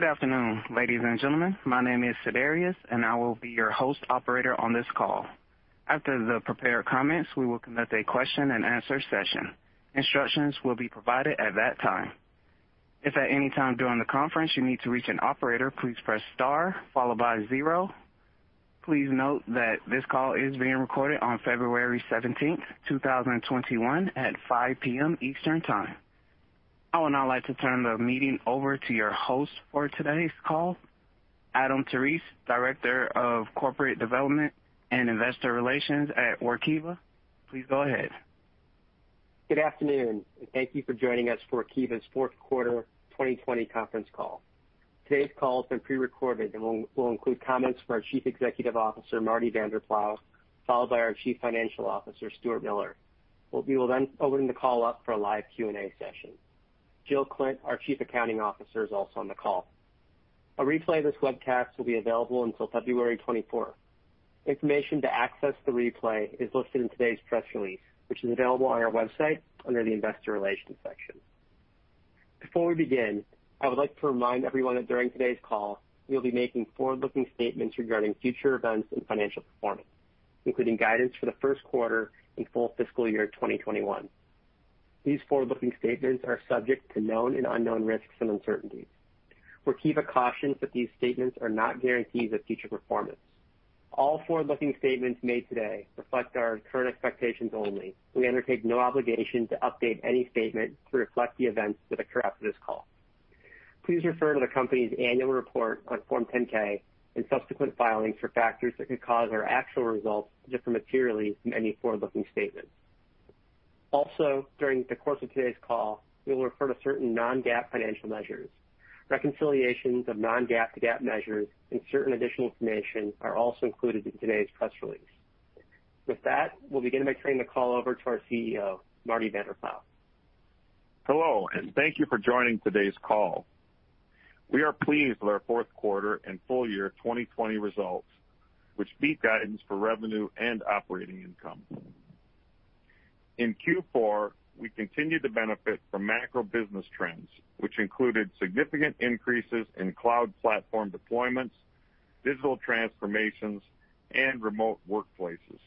Good afternoon, ladies and gentlemen. My name is Siderius, and I will be your host operator on this call. After the prepared comments, we will conduct a question and answer session. Instructions will be provided at that time. If at any time during the conference you need to reach an operator, please press star followed by zero. Please note that this call is being recorded on February 17th, 2021 at 5:00 P.M. Eastern Time. I would now like to turn the meeting over to your host for today's call, Adam Terese, Director of Corporate Development and Investor Relations at Workiva. Please go ahead. Good afternoon. Thank you for joining us for Workiva's fourth quarter 2020 conference call. Today's call has been pre-recorded and will include comments from our Chief Executive Officer, Marty Vanderploeg, followed by our Chief Financial Officer, Stuart Miller. We will open the call up for a live Q&A session. Jill Klindt, our Chief Accounting Officer, is also on the call. A replay of this webcast will be available until February 24th. Information to access the replay is listed in today's press release, which is available on our website under the investor relations section. Before we begin, I would like to remind everyone that during today's call, we'll be making forward-looking statements regarding future events and financial performance, including guidance for the first quarter and full fiscal year 2021. These forward-looking statements are subject to known and unknown risks and uncertainties. Workiva cautions that these statements are not guarantees of future performance. All forward-looking statements made today reflect our current expectations only. We undertake no obligation to update any statement to reflect the events that occur after this call. Please refer to the company's annual report on Form 10-K and subsequent filings for factors that could cause our actual results to differ materially from any forward-looking statements. Also, during the course of today's call, we will refer to certain non-GAAP financial measures. Reconciliations of non-GAAP to GAAP measures and certain additional information are also included in today's press release. With that, we'll begin by turning the call over to our CEO, Marty Vanderploeg. Hello, thank you for joining today's call. We are pleased with our fourth quarter and full year 2020 results, which beat guidance for revenue and operating income. In Q4, we continued to benefit from macro business trends, which included significant increases in cloud platform deployments, digital transformations, and remote workplaces.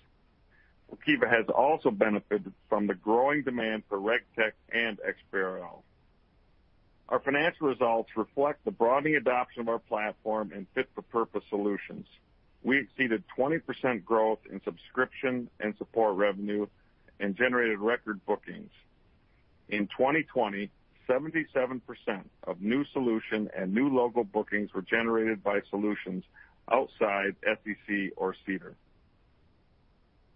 Workiva has also benefited from the growing demand for RegTech and XBRL. Our financial results reflect the broadening adoption of our platform and fit-for-purpose solutions. We exceeded 20% growth in subscription and support revenue and generated record bookings. In 2020, 77% of new solution and new logo bookings were generated by solutions outside SEC or SEDAR.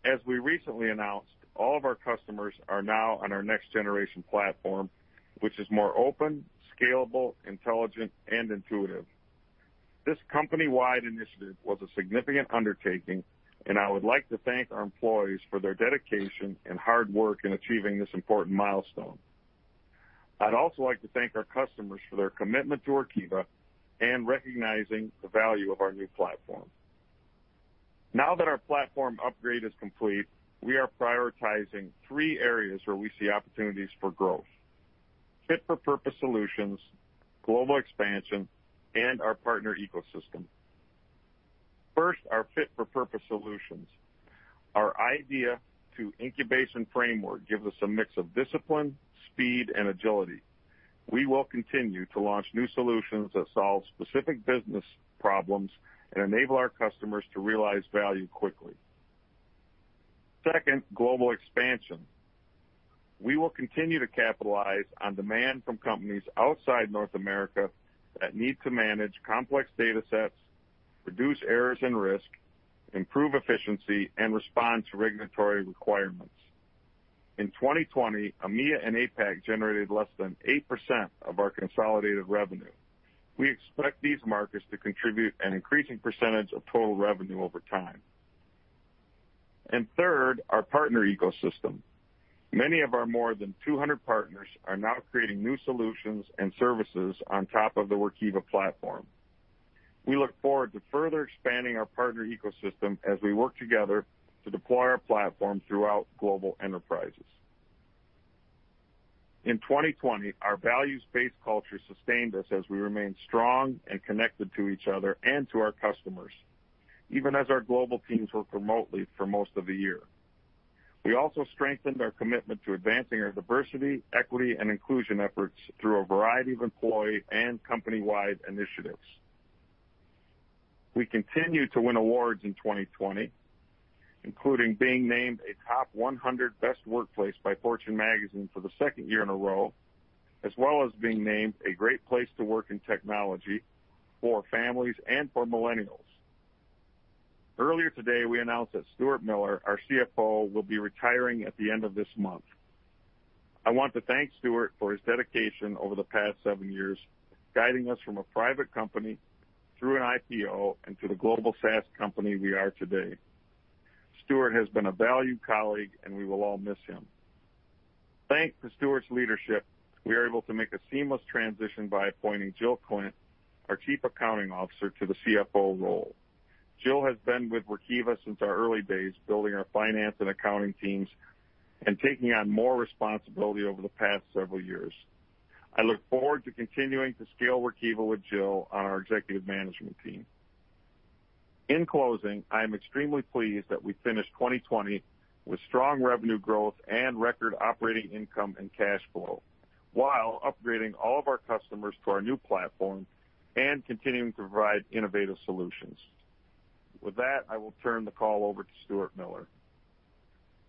As we recently announced, all of our customers are now on our next-generation platform, which is more open, scalable, intelligent, and intuitive. This company-wide initiative was a significant undertaking, and I would like to thank our employees for their dedication and hard work in achieving this important milestone. I'd also like to thank our customers for their commitment to Workiva and recognizing the value of our new platform. Now that our platform upgrade is complete, we are prioritizing three areas where we see opportunities for growth, fit-for-purpose solutions, global expansion, and our partner ecosystem. First, our fit-for-purpose solutions. Our idea to incubation framework gives us a mix of discipline, speed, and agility. We will continue to launch new solutions that solve specific business problems and enable our customers to realize value quickly. Second, global expansion. We will continue to capitalize on demand from companies outside North America that need to manage complex data sets, reduce errors and risk, improve efficiency, and respond to regulatory requirements. In 2020, EMEA and APAC generated less than 8% of our consolidated revenue. We expect these markets to contribute an increasing percentage of total revenue over time. Third, our partner ecosystem. Many of our more than 200 partners are now creating new solutions and services on top of the Workiva platform. We look forward to further expanding our partner ecosystem as we work together to deploy our platform throughout global enterprises. In 2020, our values-based culture sustained us as we remained strong and connected to each other and to our customers, even as our global teams worked remotely for most of the year. We also strengthened our commitment to advancing our diversity, equity, and inclusion efforts through a variety of employee and company-wide initiatives. We continued to win awards in 2020, including being named a top 100 best workplace by Fortune Magazine for the second year in a row, as well as being named a great place to work in technology for families and for millennials. Earlier today, we announced that Stuart Miller, our CFO, will be retiring at the end of this month. I want to thank Stuart for his dedication over the past seven years, guiding us from a private company through an IPO and to the global SaaS company we are today. Stuart has been a valued colleague, and we will all miss him. Thanks to Stuart's leadership, we are able to make a seamless transition by appointing Jill Klindt, our Chief Accounting Officer, to the CFO role. Jill has been with Workiva since our early days building our finance and accounting teams and taking on more responsibility over the past several years. I look forward to continuing to scale Workiva with Jill on our executive management team. In closing, I am extremely pleased that we finished 2020 with strong revenue growth and record operating income and cash flow while upgrading all of our customers to our new platform and continuing to provide innovative solutions. With that, I will turn the call over to Stuart Miller.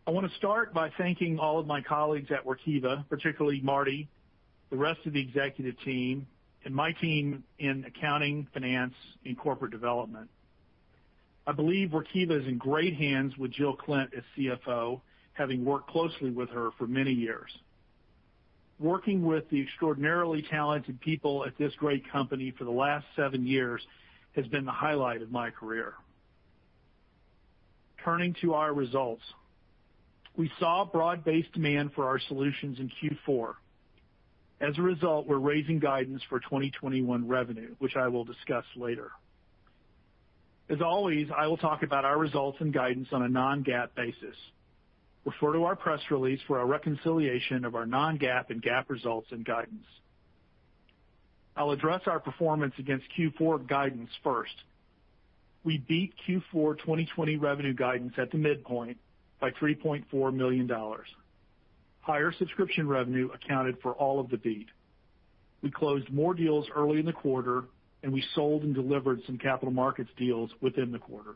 I want to start by thanking all of my colleagues at Workiva, particularly Marty, the rest of the executive team, and my team in accounting, finance, and corporate development. I believe Workiva is in great hands with Jill Klindt as CFO, having worked closely with her for many years. Working with the extraordinarily talented people at this great company for the last seven years has been the highlight of my career. Turning to our results, we saw broad-based demand for our solutions in Q4. As a result, we're raising guidance for 2021 revenue, which I will discuss later. As always, I will talk about our results and guidance on a non-GAAP basis. Refer to our press release for a reconciliation of our non-GAAP and GAAP results and guidance. I'll address our performance against Q4 guidance first. We beat Q4 2020 revenue guidance at the midpoint by $3.4 million. Higher subscription revenue accounted for all of the beat. We closed more deals early in the quarter, and we sold and delivered some capital markets deals within the quarter.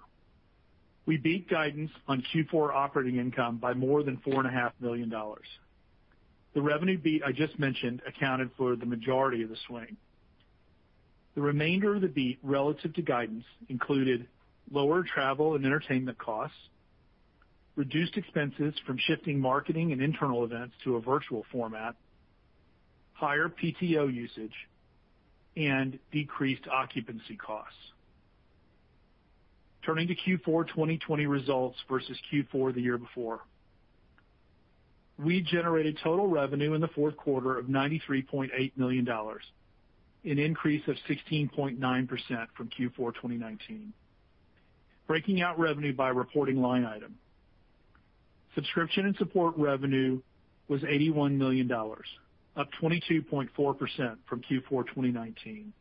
We beat guidance on Q4 operating income by more than $4.5 million. The revenue beat I just mentioned accounted for the majority of the swing. The remainder of the beat relative to guidance included lower T&E costs, reduced expenses from shifting marketing and internal events to a virtual format, higher PTO usage, and decreased occupancy costs. Turning to Q4 2020 results versus Q4 the year before, we generated total revenue in the fourth quarter of $93.8 million, an increase of 16.9% from Q4 2019. Breaking out revenue by reporting line item. Subscription and Support revenue was $81 million, up 22.4% from Q4 2019.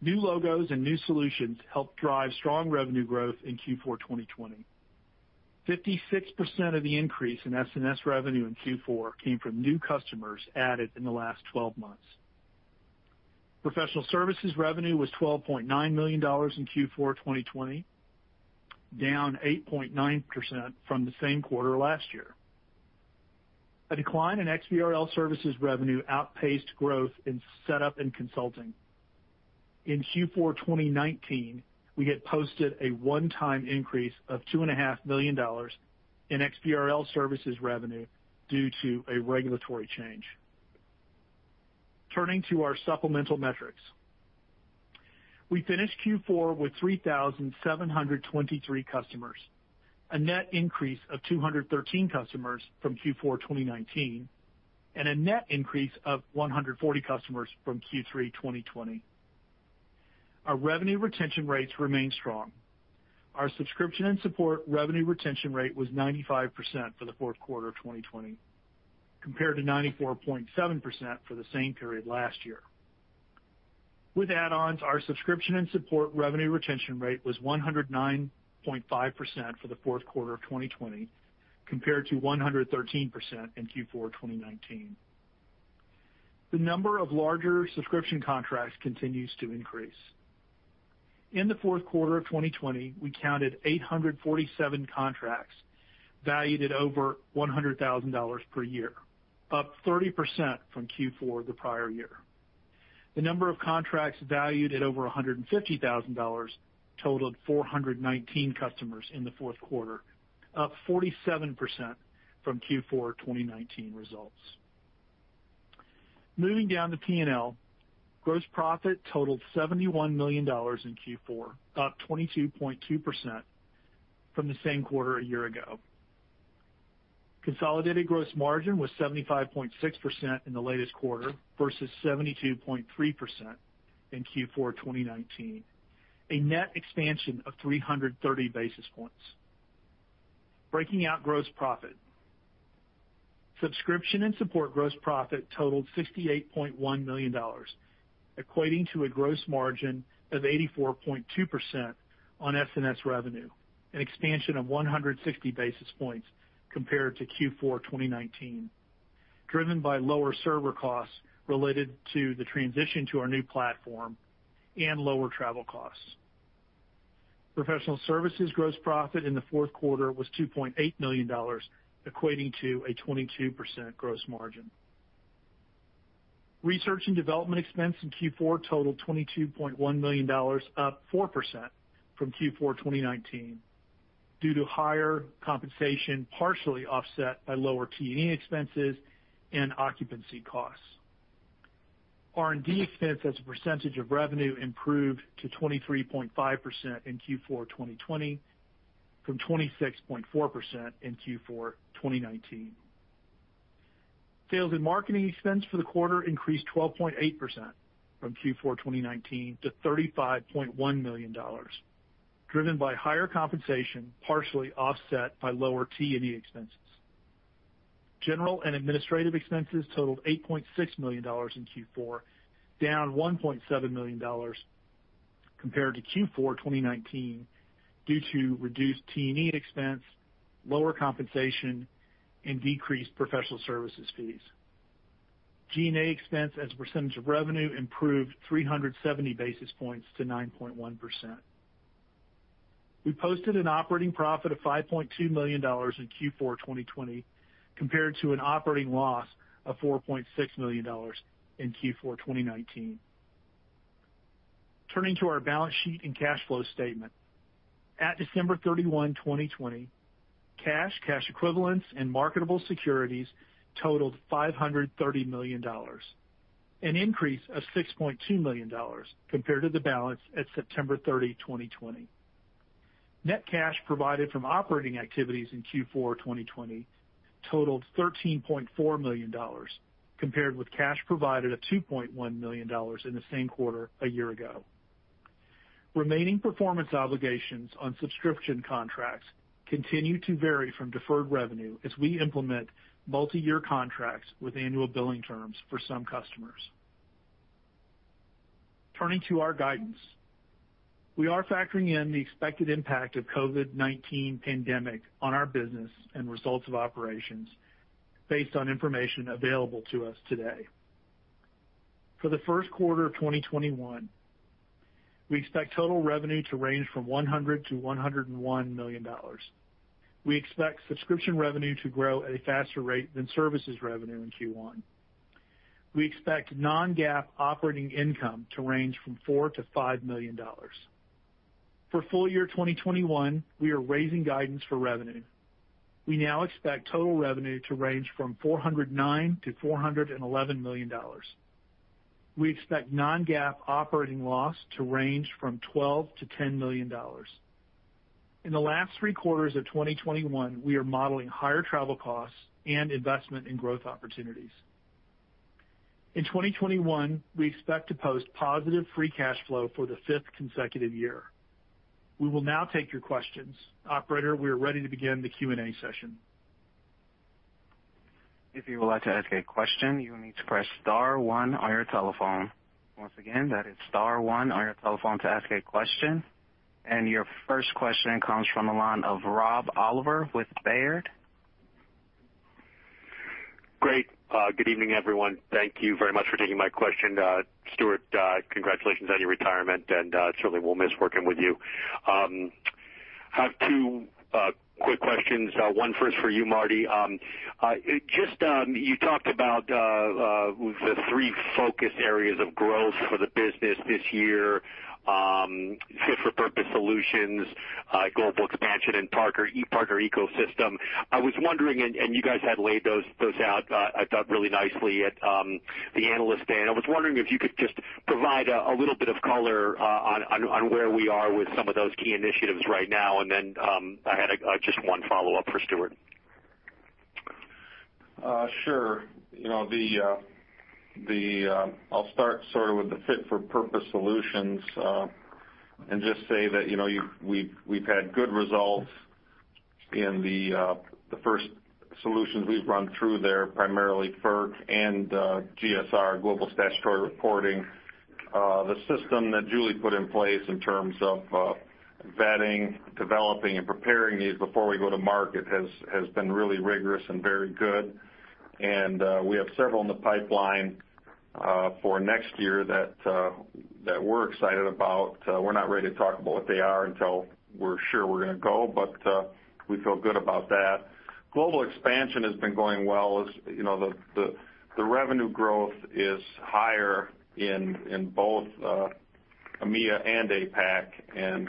New logos and new solutions helped drive strong revenue growth in Q4 2020. 56% of the increase in SNS revenue in Q4 came from new customers added in the last 12 months. Professional services revenue was $12.9 million in Q4 2020, down 8.9% from the same quarter last year. A decline in XBRL services revenue outpaced growth in setup and consulting. In Q4 2019, we had posted a one-time increase of $2.5 million in XBRL services revenue due to a regulatory change. Turning to our supplemental metrics. We finished Q4 with 3,723 customers, a net increase of 213 customers from Q4 2019 and a net increase of 140 customers from Q3 2020. Our revenue retention rates remain strong. Our subscription and support revenue retention rate was 95% for the fourth quarter of 2020, compared to 94.7% for the same period last year. With add-ons, our subscription and support revenue retention rate was 109.5% for the fourth quarter of 2020, compared to 113% in Q4 2019. The number of larger subscription contracts continues to increase. In the fourth quarter of 2020, we counted 847 contracts valued at over $100,000 per year, up 30% from Q4 the prior year. The number of contracts valued at over $150,000 totaled 419 customers in the fourth quarter, up 47% from Q4 2019 results. Moving down to P&L, gross profit totaled $71 million in Q4, up 22.2% from the same quarter a year ago. Consolidated gross margin was 75.6% in the latest quarter versus 72.3% in Q4 2019, a net expansion of 330 basis points. Breaking out gross profit. Subscription and support gross profit totaled $68.1 million, equating to a gross margin of 84.2% on S&S revenue, an expansion of 160 basis points compared to Q4 2019, driven by lower server costs related to the transition to our new Workiva platform and lower travel costs. Professional services gross profit in the fourth quarter was $2.8 million, equating to a 22% gross margin. Research and development expense in Q4 totaled $22.1 million, up 4% from Q4 2019 due to higher compensation, partially offset by lower T&E expenses and occupancy costs. R&D expense as a percentage of revenue improved to 23.5% in Q4 2020 from 26.4% in Q4 2019. Sales and marketing expense for the quarter increased 12.8% from Q4 2019 to $35.1 million, driven by higher compensation, partially offset by lower T&E expenses. General and administrative expenses totaled $8.6 million in Q4, down $1.7 million compared to Q4 2019 due to reduced T&E expense, lower compensation, and decreased professional services fees. G&A expense as a percentage of revenue improved 370 basis points to 9.1%. We posted an operating profit of $5.2 million in Q4 2020 compared to an operating loss of $4.6 million in Q4 2019. Turning to our balance sheet and cash flow statement. At December 31, 2020, cash equivalents, and marketable securities totaled $530 million, an increase of $6.2 million compared to the balance at September 30, 2020. Net cash provided from operating activities in Q4 2020 totaled $13.4 million, compared with cash provided of $2.1 million in the same quarter a year ago. Remaining performance obligations on subscription contracts continue to vary from deferred revenue as we implement multi-year contracts with annual billing terms for some customers. Turning to our guidance. We are factoring in the expected impact of COVID-19 pandemic on our business and results of operations based on information available to us today. For the first quarter of 2021, we expect total revenue to range from $100 million-$101 million. We expect subscription revenue to grow at a faster rate than services revenue in Q1. We expect non-GAAP operating income to range from $4 million-$5 million. For full year 2021, we are raising guidance for revenue. We now expect total revenue to range from $409 million-$411 million. We expect non-GAAP operating loss to range from $12 million-$10 million. In the last three quarters of 2021, we are modeling higher travel costs and investment in growth opportunities. In 2021, we expect to post positive free cash flow for the fifth consecutive year. We will now take your questions. Operator, we are ready to begin the Q&A session. If you would like to ask a question, you will need to press star one on your telephone. Once again, that is star one on your telephone to ask a question. Your first question comes from the line of Rob Oliver with Baird. Great. Good evening, everyone. Thank you very much for taking my question. Stuart, congratulations on your retirement, and certainly we'll miss working with you. I have two quick questions. One first for you, Marty. You talked about the three focus areas of growth for the business this year, fit-for-purpose solutions, global expansion, and partner ecosystem. You guys had laid those out, I thought, really nicely at the Analyst Day, and I was wondering if you could just provide a little bit of color on where we are with some of those key initiatives right now. I had just one follow-up for Stuart. Sure. I'll start with the fit-for-purpose solutions, and just say that we've had good results in the first solutions we've run through there, primarily FERC and GSR, Global Statutory Reporting. The system that Julie put in place in terms of vetting, developing, and preparing these before we go to market has been really rigorous and very good. We have several in the pipeline for next year that we're excited about. We're not ready to talk about what they are until we're sure we're going to go, but we feel good about that. Global expansion has been going well. The revenue growth is higher in both EMEA and APAC, and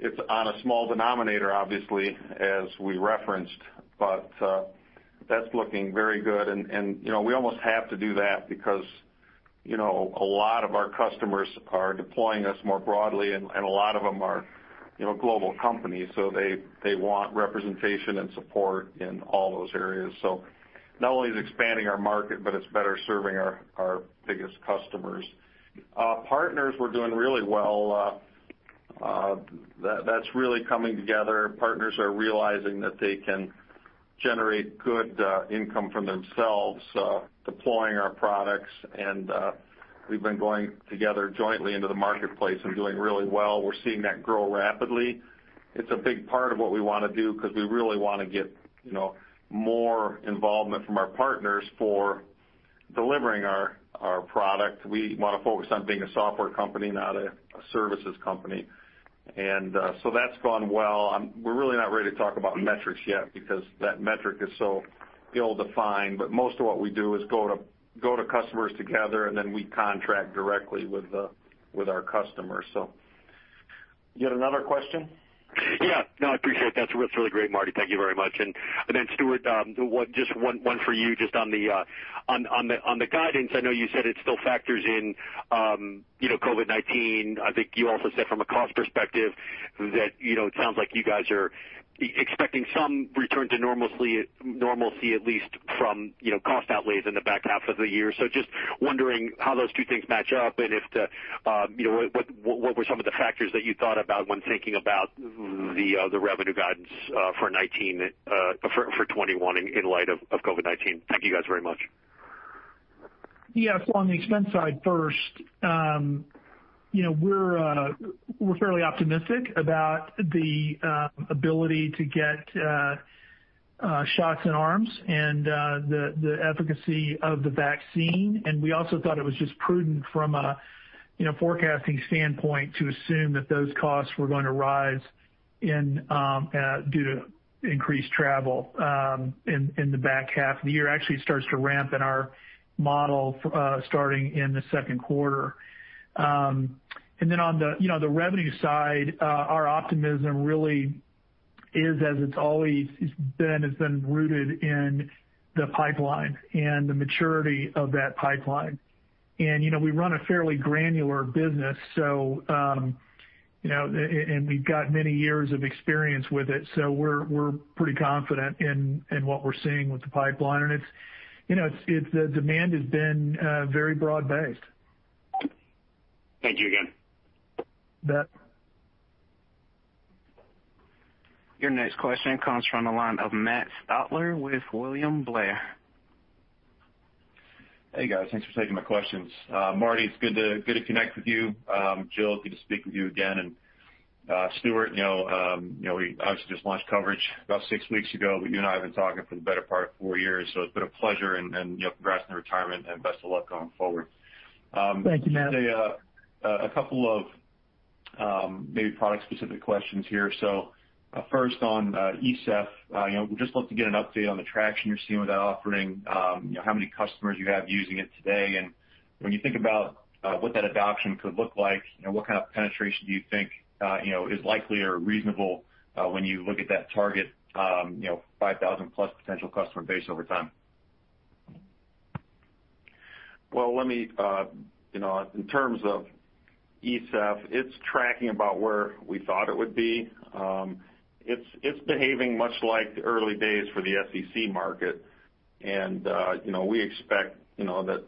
it's on a small denominator, obviously, as we referenced, but that's looking very good. We almost have to do that because a lot of our customers are deploying us more broadly, and a lot of them are global companies, so they want representation and support in all those areas. Not only is it expanding our market, but it's better serving our biggest customers. Partners, we're doing really well. That's really coming together. Partners are realizing that they can generate good income for themselves deploying our products. We've been going together jointly into the marketplace and doing really well. We're seeing that grow rapidly. It's a big part of what we want to do because we really want to get more involvement from our partners for delivering our product. We want to focus on being a software company, not a services company. That's gone well. We're really not ready to talk about metrics yet because that metric is so ill-defined, but most of what we do is go to customers together, and then we contract directly with our customers. You had another question? Yeah. No, I appreciate it. That's really great, Marty. Thank you very much. Then Stuart, just one for you just on the guidance. I know you said it still factors in COVID-19. I think you also said from a cost perspective that it sounds like you guys are expecting some return to normalcy at least from cost outlays in the back half of the year. Just wondering how those two things match up and what were some of the factors that you thought about when thinking about the revenue guidance for 2021 in light of COVID-19? Thank you guys very much. Yes. On the expense side first, we're fairly optimistic about the ability to get shots in arms and the efficacy of the vaccine, and we also thought it was just prudent from a forecasting standpoint to assume that those costs were going to rise due to increased travel in the back half of the year. Actually, it starts to ramp in our model starting in the second quarter. On the revenue side, our optimism really is, as it's always been, has been rooted in the pipeline and the maturity of that pipeline. We run a fairly granular business, and we've got many years of experience with it, so we're pretty confident in what we're seeing with the pipeline. The demand has been very broad-based. Thank you again. You bet. Your next question comes from the line of Matt Stotler with William Blair. Hey, guys. Thanks for taking my questions. Marty, it's good to connect with you. Jill, good to speak with you again. Stuart, we obviously just launched coverage about six weeks ago, but you and I have been talking for the better part of four years, so it's been a pleasure, and congrats on your retirement, and best of luck going forward. Thank you, Matt. Just a couple of maybe product-specific questions here. First on ESEF, would just love to get an update on the traction you're seeing with that offering, how many customers you have using it today, and when you think about what that adoption could look like, what kind of penetration do you think is likely or reasonable when you look at that target 5,000+ potential customer base over time? In terms of ESEF, it's tracking about where we thought it would be. It's behaving much like the early days for the SEC market, and we expect that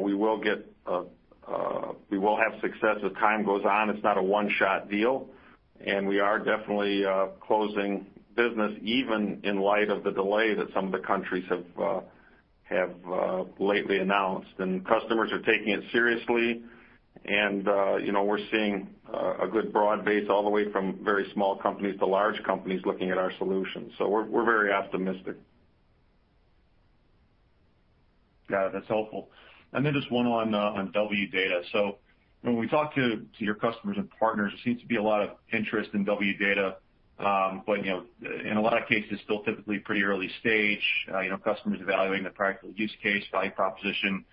we will have success as time goes on. It's not a one-shot deal, and we are definitely closing business even in light of the delay that some of the countries have lately announced. Customers are taking it seriously, and we're seeing a good broad base all the way from very small companies to large companies looking at our solutions. We're very optimistic. Got it. That's helpful. Just one on Wdata. When we talk to your customers and partners, there seems to be a lot of interest in Wdata, but in a lot of cases, still typically pretty early stage, customers evaluating the practical use case, value proposition,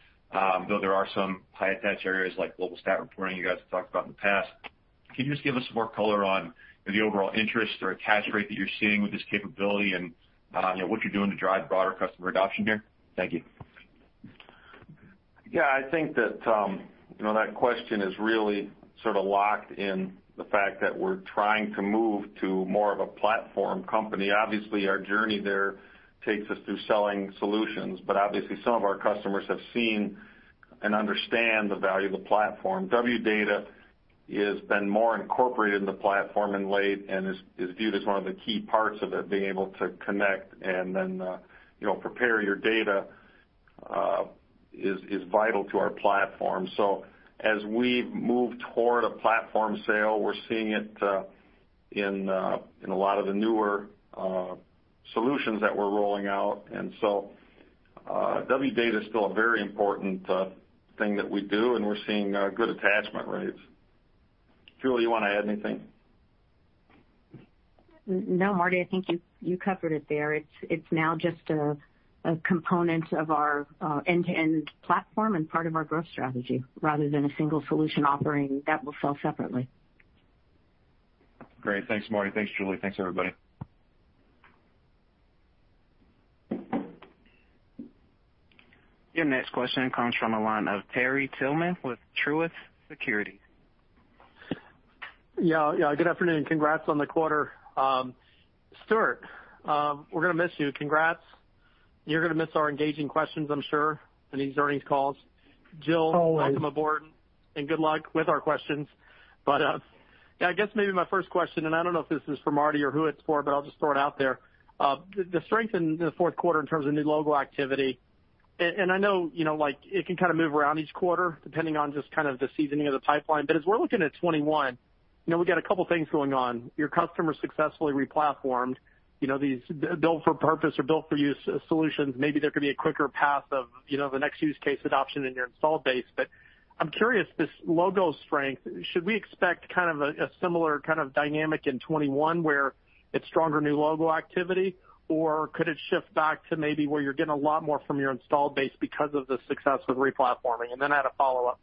though there are some high-attach areas like Global Statutory Reporting you guys have talked about in the past. Can you just give us more color on the overall interest or attach rate that you're seeing with this capability and what you're doing to drive broader customer adoption here? Thank you. Yeah, I think that question is really sort of locked in the fact that we're trying to move to more of a platform company. Obviously, our journey there takes us through selling solutions, obviously some of our customers have seen and understand the value of the platform. Wdata has been more incorporated in the platform in late and is viewed as one of the key parts of it. Being able to connect and then prepare your data is vital to our platform. As we move toward a platform sale, we're seeing it in a lot of the newer solutions that we're rolling out. Wdata is still a very important thing that we do, and we're seeing good attachment rates. Julie, you want to add anything? No, Marty, I think you covered it there. It's now just a component of our end-to-end platform and part of our growth strategy rather than a single solution offering that we'll sell separately. Great. Thanks, Marty. Thanks, Julie. Thanks, everybody. Your next question comes from the line of Terry Tillman with Truist Securities. Yeah. Good afternoon. Congrats on the quarter. Stuart, we're going to miss you. Congrats. You're going to miss our engaging questions, I'm sure, in these earnings calls. Always. Jill, welcome aboard, and good luck with our questions. I guess maybe my first question, and I don't know if this is for Marty or who it's for, but I'll just throw it out there. The strength in the fourth quarter in terms of new logo activity, and I know it can kind of move around each quarter depending on just kind of the seasoning of the pipeline. As we're looking at 2021, we got a couple of things going on. Your customers successfully re-platformed these built-for-purpose or built-for-use solutions. Maybe there could be a quicker path of the next use case adoption in your installed base. I'm curious, this logo strength, should we expect kind of a similar kind of dynamic in 2021 where it's stronger new logo activity, or could it shift back to maybe where you're getting a lot more from your installed base because of the success of re-platforming? I had a follow-up.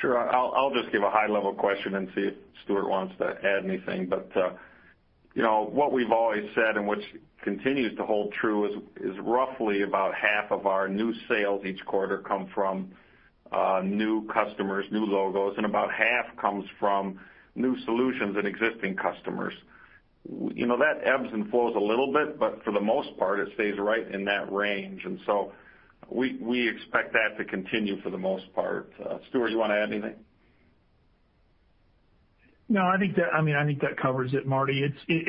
Sure. I'll just give a high-level question and see if Stuart wants to add anything. What we've always said, and which continues to hold true, is roughly about half of our new sales each quarter come from new customers, new logos, and about half comes from new solutions and existing customers. That ebbs and flows a little bit, but for the most part, it stays right in that range. We expect that to continue for the most part. Stuart, you want to add anything? No, I think that covers it, Marty.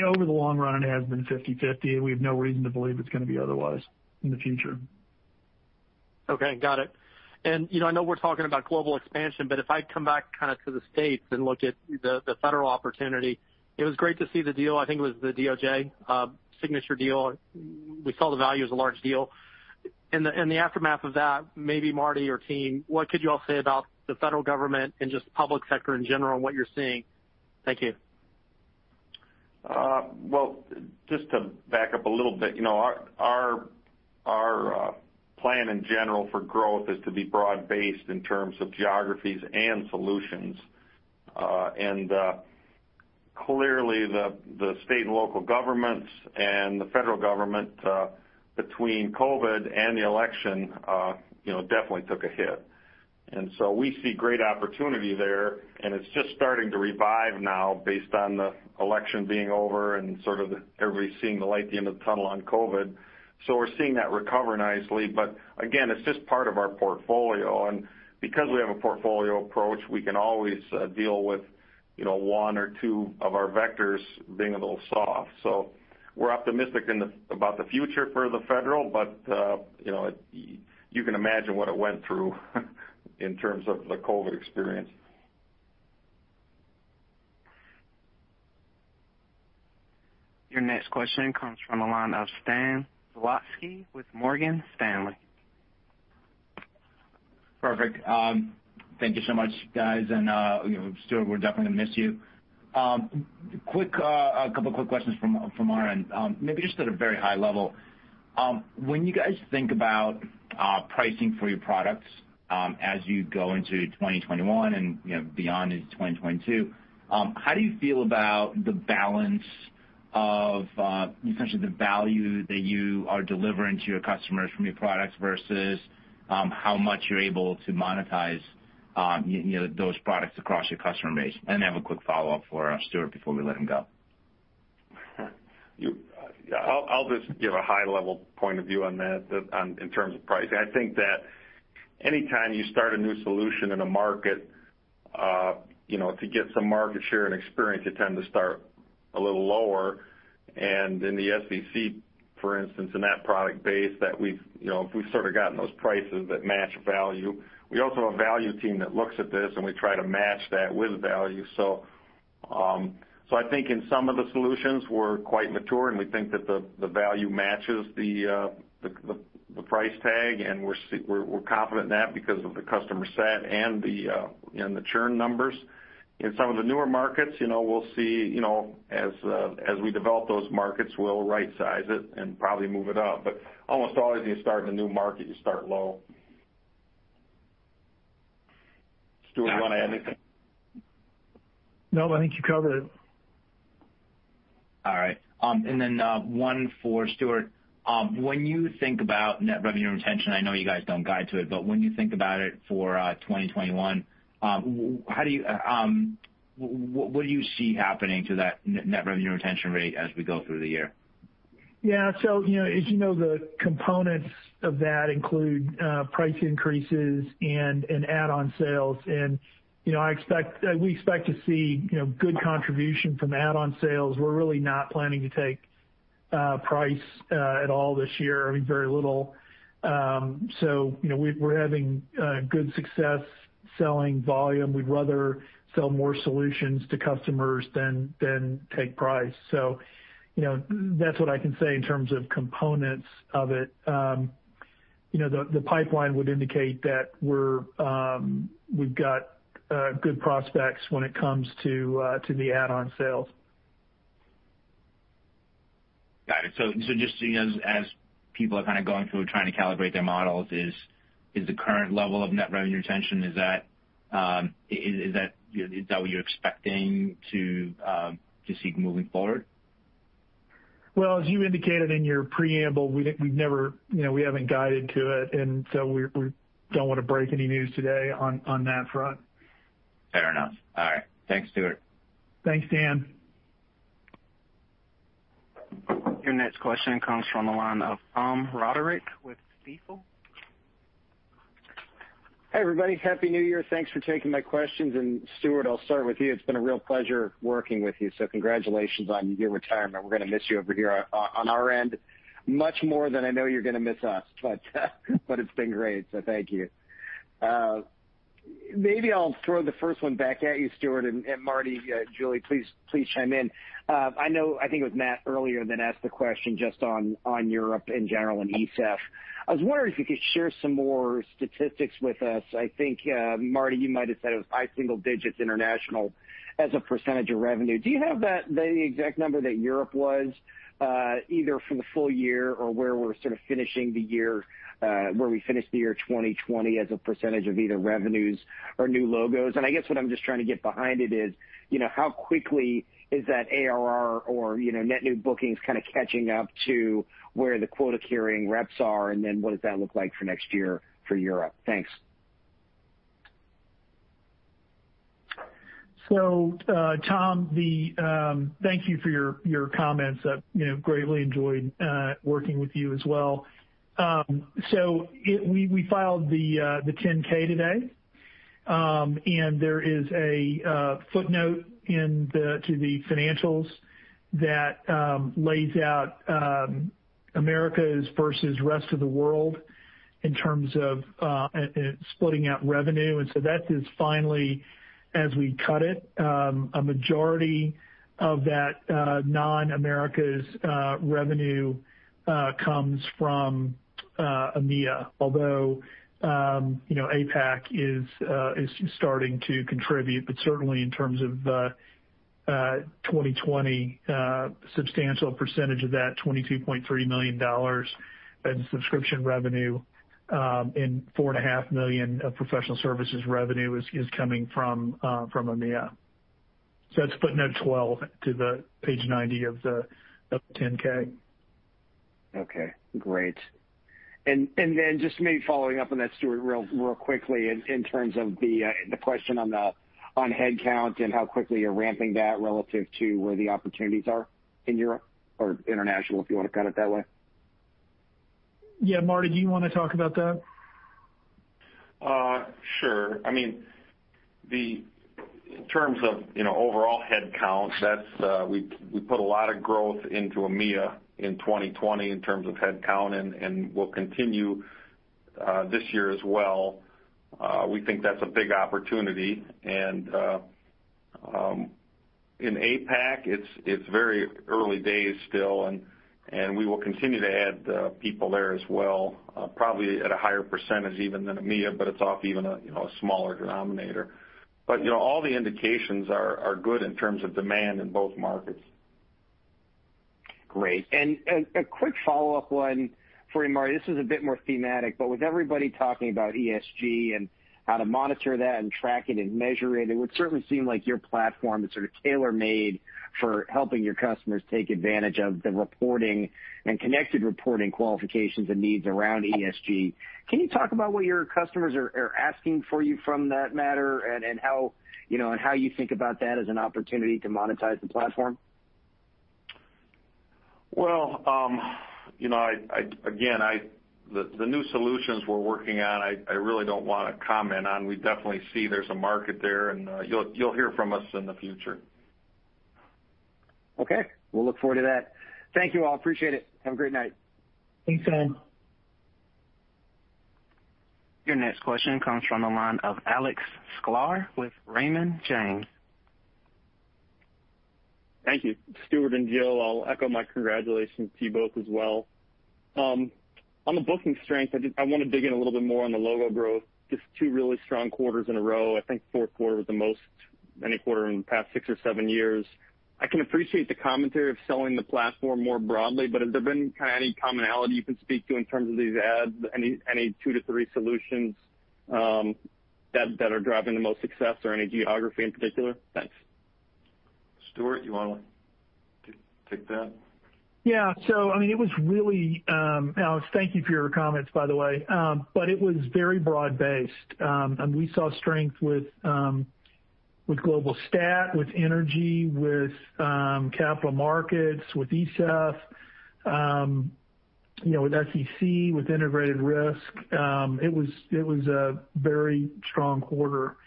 Over the long run, it has been 50/50, and we have no reason to believe it's going to be otherwise in the future. Okay. Got it. I know we're talking about global expansion, but if I come back kind of to the States and look at the federal opportunity, it was great to see the deal. I think it was the DOJ signature deal. We saw the value as a large deal. In the aftermath of that, maybe Marty or team, what could you all say about the federal government and just public sector in general and what you're seeing? Thank you. Well, just to back up a little bit. Our plan in general for growth is to be broad-based in terms of geographies and solutions. Clearly, the state and local governments and the federal government, between COVID and the election, definitely took a hit. We see great opportunity there, and it's just starting to revive now based on the election being over and sort of everybody seeing the light at the end of the tunnel on COVID. We're seeing that recover nicely. Again, it's just part of our portfolio. Because we have a portfolio approach, we can always deal with one or two of our vectors being a little soft. We're optimistic about the future for the federal, but you can imagine what it went through in terms of the COVID experience. Your next question comes from the line of Stan Zlotsky with Morgan Stanley. Perfect. Thank you so much, guys. Stuart, we're definitely going to miss you. A couple of quick questions from our end, maybe just at a very high level. When you guys think about pricing for your products as you go into 2021 and beyond into 2022, how do you feel about the balance of essentially the value that you are delivering to your customers from your products versus how much you're able to monetize those products across your customer base? I have a quick follow-up for Stuart before we let him go. I'll just give a high-level point of view on that in terms of pricing. I think that any time you start a new solution in a market, to get some market share and experience, you tend to start a little lower. In the SEC, for instance, in that product base, we've sort of gotten those prices that match value. We also have a value team that looks at this, and we try to match that with value. I think in some of the solutions, we're quite mature, and we think that the value matches the price tag, and we're confident in that because of the customer set and the churn numbers. In some of the newer markets, we'll see as we develop those markets, we'll rightsize it and probably move it up. Almost always, when you start in a new market, you start low. Stuart, you want to add anything? No, I think you covered it. All right. One for Stuart. When you think about net revenue retention, I know you guys don't guide to it, but when you think about it for 2021, what do you see happening to that net revenue retention rate as we go through the year? Yeah. As you know, the components of that include price increases and add-on sales. We expect to see good contribution from add-on sales. We're really not planning to take price at all this year, very little. We're having good success selling volume. We'd rather sell more solutions to customers than take price. That's what I can say in terms of components of it. The pipeline would indicate that we've got good prospects when it comes to the add-on sales. Got it. Just as people are kind of going through and trying to calibrate their models, is the current level of net revenue retention, is that what you're expecting to see moving forward? Well, as you indicated in your preamble, we haven't guided to it, and so we don't want to break any news today on that front. Fair enough. All right. Thanks, Stuart. Thanks, Stan. Your next question comes from the line of Tom Roderick with Stifel. Hey, everybody. Happy New Year. Thanks for taking my questions. Stuart, I'll start with you. It's been a real pleasure working with you, so congratulations on your retirement. We're going to miss you over here on our end much more than I know you're going to miss us, but it's been great, so thank you. Maybe I'll throw the first one back at you, Stuart, and Marty, Julie, please chime in. I know, I think it was Matt earlier that asked the question just on Europe in general and ESEF. I was wondering if you could share some more statistics with us. I think, Marty, you might have said it was high single digits international as a percentage of revenue. Do you have the exact number that Europe was, either for the full year or where we finished the year 2020 as a percentage of either revenues or new logos? I guess what I'm just trying to get behind it is how quickly is that ARR or net new bookings kind of catching up to where the quota-carrying reps are, and then what does that look like for next year for Europe? Thanks. Tom, thank you for your comments. I've greatly enjoyed working with you as well. We filed the 10-K today. There is a footnote to the financials that lays out Americas versus rest of the world in terms of splitting out revenue. That is finally, as we cut it, a majority of that non-Americas revenue comes from EMEA, although APAC is starting to contribute. Certainly in terms of 2020, a substantial percentage of that $22.3 million in subscription revenue and $4.5 million of professional services revenue is coming from EMEA. That's footnote 12 to page 90 of the 10-K. Okay, great. Just maybe following up on that, Stuart, real quickly in terms of the question on headcount and how quickly you're ramping that relative to where the opportunities are in Europe or international, if you want to cut it that way. Yeah. Marty, do you want to talk about that? Sure. In terms of overall headcount, we put a lot of growth into EMEA in 2020 in terms of headcount, we'll continue this year as well. We think that's a big opportunity. In APAC, it's very early days still, and we will continue to add people there as well, probably at a higher percentage even than EMEA, but it's off even a smaller denominator. All the indications are good in terms of demand in both markets. Great. A quick follow-up one for you, Marty. This is a bit more thematic, but with everybody talking about ESG and how to monitor that and track it and measure it would certainly seem like your platform is sort of tailor-made for helping your customers take advantage of the reporting and connected reporting qualifications and needs around ESG. Can you talk about what your customers are asking for you from that matter and how you think about that as an opportunity to monetize the platform? Well, again, the new solutions we're working on, I really don't want to comment on. We definitely see there's a market there, and you'll hear from us in the future. Okay. We'll look forward to that. Thank you all. Appreciate it. Have a great night. Thanks, Tom. Your next question comes from the line of Alex Sklar with Raymond James. Thank you. Stuart and Jill, I'll echo my congratulations to you both as well. On the booking strength, I want to dig in a little bit more on the logo growth, just two really strong quarters in a row. I think the fourth quarter was the most any quarter in the past six or seven years. I can appreciate the commentary of selling the platform more broadly, but have there been kind of any commonality you can speak to in terms of these adds? Any two to three solutions that are driving the most success or any geography in particular? Thanks. Stuart, you want to take that? Yeah. Alex, thank you for your comments, by the way. It was very broad-based. We saw strength with Global Stat, with energy, with capital markets, with ESEF, with SEC, with integrated risk. It was a very strong quarter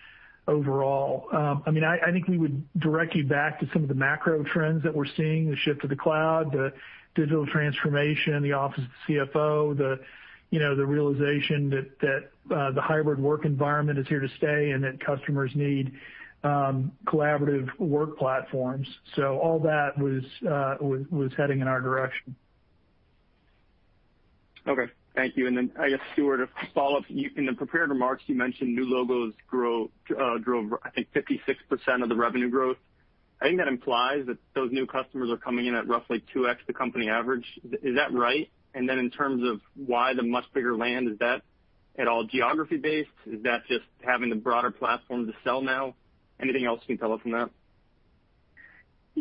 overall. I think we would direct you back to some of the macro trends that we're seeing, the shift to the cloud, the digital transformation, the office of the CFO, the realization that the hybrid work environment is here to stay and that customers need collaborative work platforms. All that was heading in our direction. Okay. Thank you. I guess, Stuart, a follow-up. In the prepared remarks, you mentioned new logos drove, I think, 56% of the revenue growth. I think that implies that those new customers are coming in at roughly 2x the company average. Is that right? In terms of why the much bigger land, is that at all geography-based? Is that just having the broader platform to sell now? Anything else you can tell us from that?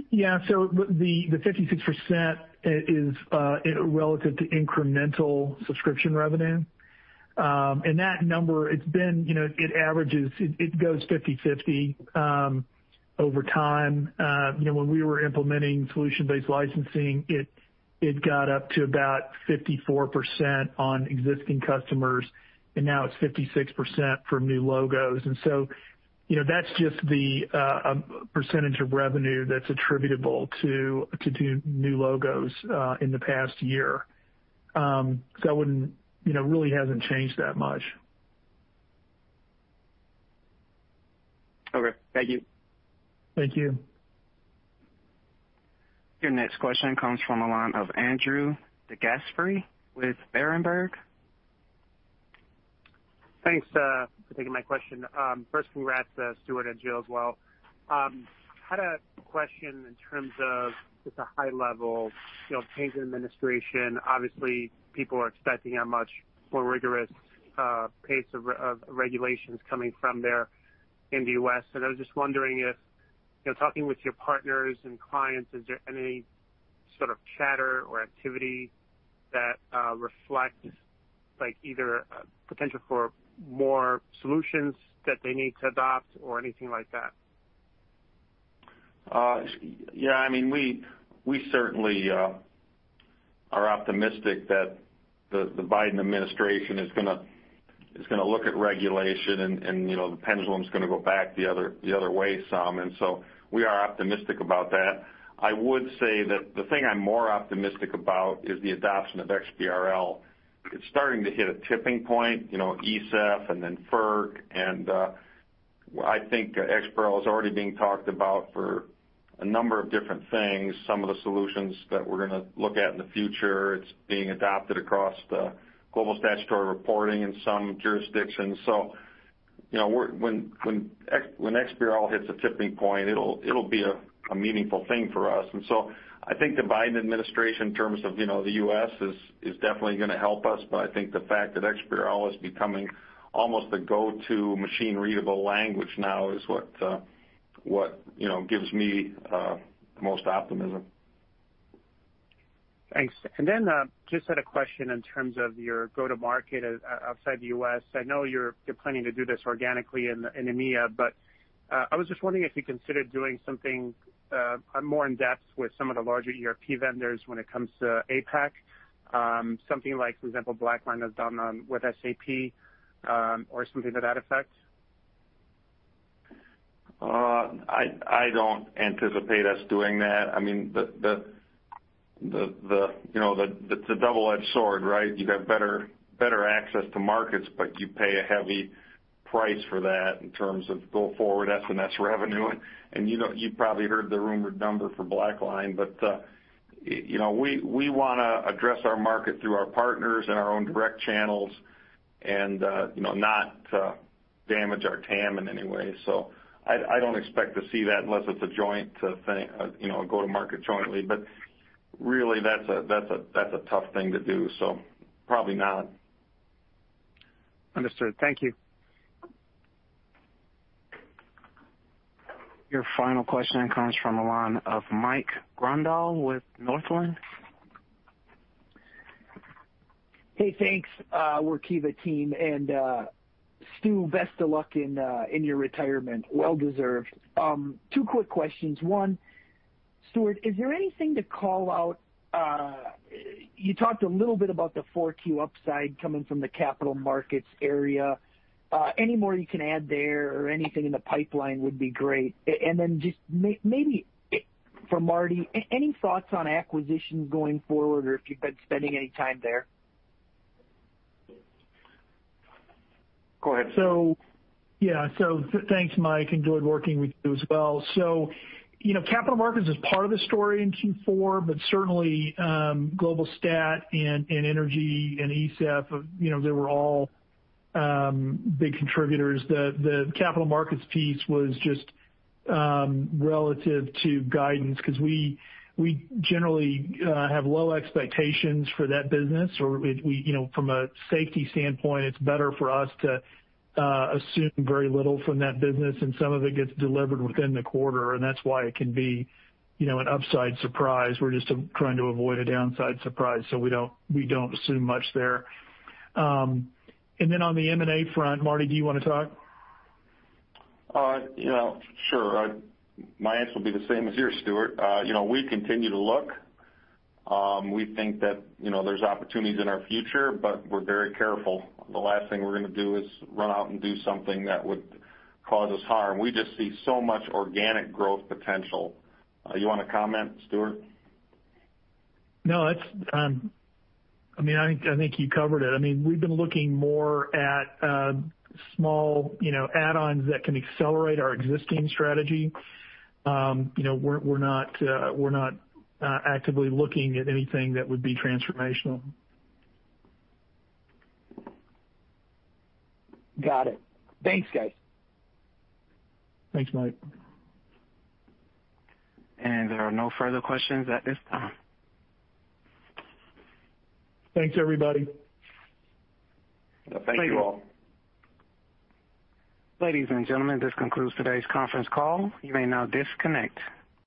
Yeah. The 56% is relative to incremental subscription revenue. That number, it goes 50/50 over time. When we were implementing solution-based licensing, it got up to about 54% on existing customers, and now it's 56% from new logos. That's just the percentage of revenue that's attributable to new logos in the past year. It really hasn't changed that much. Okay. Thank you. Thank you. Your next question comes from the line of Andrew DeGasperi with Berenberg. Thanks for taking my question. First, congrats, Stuart and Jill as well. Had a question in terms of just a high level. Change in administration, obviously, people are expecting a much more rigorous pace of regulations coming from there in the U.S. I was just wondering if, talking with your partners and clients, is there any sort of chatter or activity that reflects either a potential for more solutions that they need to adopt or anything like that? Yeah. We certainly are optimistic that the Biden administration is going to look at regulation and the pendulum's going to go back the other way some. We are optimistic about that. I would say that the thing I'm more optimistic about is the adoption of XBRL. It's starting to hit a tipping point, ESEF and then FERC. I think XBRL is already being talked about for a number of different things. Some of the solutions that we're going to look at in the future, it's being adopted across the Global Statutory Reporting in some jurisdictions. When XBRL hits a tipping point, it'll be a meaningful thing for us. I think the Biden administration, in terms of the U.S., is definitely going to help us, but I think the fact that XBRL is becoming almost the go-to machine-readable language now is what gives me the most optimism. Thanks. Just had a question in terms of your go-to-market outside the U.S. I know you're planning to do this organically in EMEA, but I was just wondering if you considered doing something more in-depth with some of the larger ERP vendors when it comes to APAC. Something like, for example, BlackLine has done with SAP or something to that effect. I don't anticipate us doing that. It's a double-edged sword, right? You have better access to markets, you pay a heavy price for that in terms of go forward S&S revenue. You probably heard the rumored number for BlackLine. We want to address our market through our partners and our own direct channels and not damage our TAM in any way. I don't expect to see that unless it's a go to market jointly. Really, that's a tough thing to do. Probably not. Understood. Thank you. Your final question comes from the line of Mike Grondahl with Northland. Hey, thanks, Workiva team. Stu, best of luck in your retirement. Well deserved. Two quick questions. One, Stuart, is there anything to call out? You talked a little bit about the 4Q upside coming from the capital markets area. Any more you can add there or anything in the pipeline would be great. Then just maybe for Marty, any thoughts on acquisitions going forward, or if you've been spending any time there? Go ahead, Stuart. Yeah. Thanks, Mike. Enjoyed working with you as well. Capital markets is part of the story in Q4, but certainly Global Stat and Energy and ESEF, they were all big contributors. The capital markets piece was just relative to guidance because we generally have low expectations for that business. From a safety standpoint, it's better for us to assume very little from that business, and some of it gets delivered within the quarter, and that's why it can be an upside surprise. We're just trying to avoid a downside surprise, so we don't assume much there. On the M&A front, Marty, do you want to talk? Sure. My answer will be the same as yours, Stuart. We continue to look. We think that there is opportunities in our future, but we are very careful. The last thing we are going to do is run out and do something that would cause us harm. We just see so much organic growth potential. You want to comment, Stuart? No. I think you covered it. We've been looking more at small add-ons that can accelerate our existing strategy. We're not actively looking at anything that would be transformational. Got it. Thanks, guys. Thanks, Mike. There are no further questions at this time. Thanks, everybody. Thank you all. Ladies and gentlemen, this concludes today's conference call. You may now disconnect.